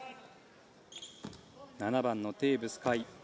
７番のテーブス海。